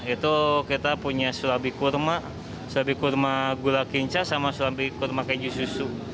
itu kita punya surabi kurma surabi kurma gula kinca sama surabi kurma keju susu